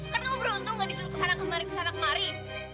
kan kamu beruntung gak disuruh kesana kemarin kesana kemarin